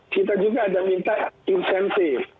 kita juga ada minta insentif